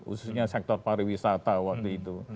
khususnya sektor pariwisata waktu itu